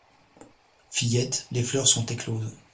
Fillettes, les fleurs sont écloses